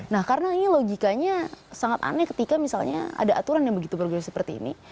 nah karena ini logikanya sangat aneh ketika misalnya ada aturan yang begitu bergerak seperti ini